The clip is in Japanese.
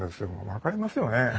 分かりますよねえ？